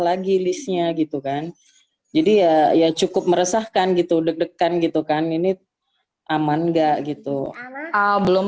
lagi list nya gitu kan jadi ya ya cukup meresahkan gitu deg degan itu kan ini ham angga gitu belum